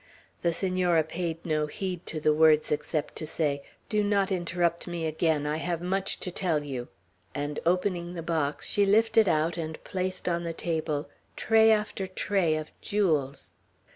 The Senora paid no heed to the words, except to say, "Do not interrupt me again. I have much to tell you;" and opening the box, she lifted out and placed on the table tray after tray of jewels.